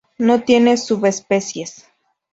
No tiene subespecies.